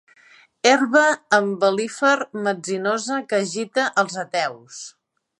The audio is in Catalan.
Herba embel·lífer metzinosa que agita els ateus.